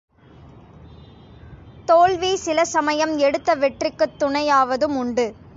தோல்வி சில சமயம் எடுத்த வெற்றிக்குத் துணை யாவதும் உண்டு.